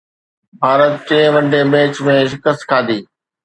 ڀارت ٽئين one day match ۾ شڪست کاڌي